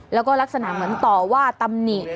แล้วก็ลักษณะเหมือนต่อว่าตำหนิ